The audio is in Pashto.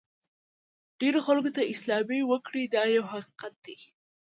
ډېرو خلکو ته سلامي وکړئ دا یو حقیقت دی.